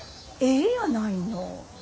ええやないの。